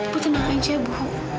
bu tenang aja bu